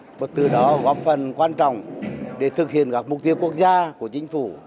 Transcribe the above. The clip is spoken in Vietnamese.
tăng thu nhập cho người lao động từ đó góp phần quan trọng để thực hiện các mục tiêu quốc gia của chính phủ